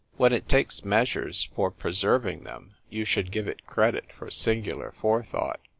When it takes measures for preserving them, you should give it credit for singular forethought.